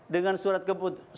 dengan surat keputusan